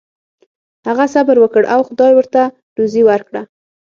هغه صبر وکړ او خدای ورته روزي ورکړه.